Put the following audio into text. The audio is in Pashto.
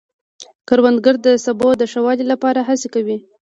کروندګر د سبو د ښه والي لپاره هڅې کوي